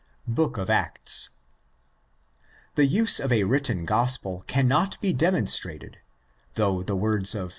Books of Acts. The use of a written Gospel cannot be demonstrated; though the words of i.